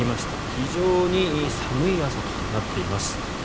非常に寒い朝となっています。